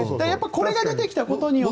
これが出てきたことによって。